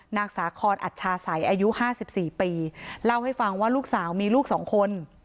นางสาคอนอัชชาสัยอายุ๕๔ปีเล่าให้ฟังว่าลูกสาวมีลูกสองคน